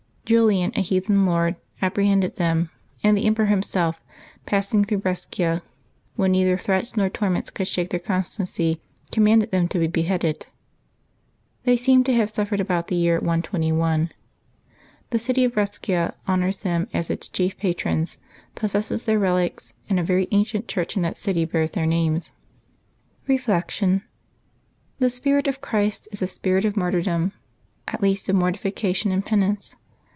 Julian, a heathen lord, apprehended them; and the emperor himself, passing through Brescia, when neither threats nor torments could shake their constancy, commanded them to be beheaded. They seem to have suffered about the year 121: The city of Brescia honors them as its chief patrons, possesses their relics, and a very ancient church in that city bears their names. Reflection. — The spirit of Christ is a spirit of martjrr dom — at least of mortification and penance.